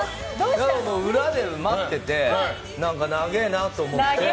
裏で待っててなげーなと思って。